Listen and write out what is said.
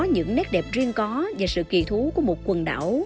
những nét đẹp riêng có và sự kỳ thú của một quần đảo